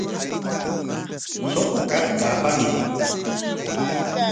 Suqu kaqta apamuy.